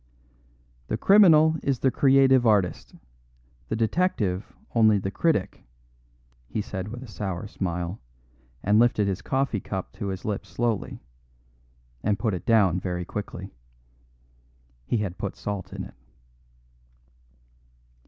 "The criminal is the creative artist; the detective only the critic," he said with a sour smile, and lifted his coffee cup to his lips slowly, and put it down very quickly. He had put salt in it.